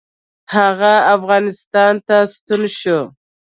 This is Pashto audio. هغه افغانستان ته ستون شو.